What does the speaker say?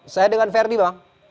saya dengan ferdi bang